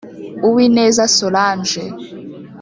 Uwineza Solange